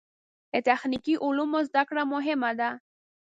د تخنیکي علومو زده کړه مهمه ده.